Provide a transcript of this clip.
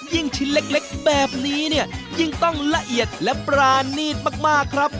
ชิ้นเล็กแบบนี้เนี่ยยิ่งต้องละเอียดและปรานีตมากครับ